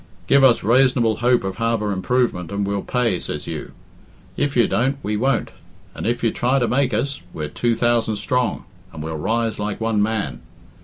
'Give us raisonable hope of harbour improvement and we'll pay,' says you. 'If you don't, we won't; and if you try to make us, we're two thousand strong, and we'll rise like one man.'